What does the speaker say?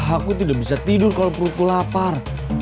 aku tidak bisa tidur kalau perutku lapar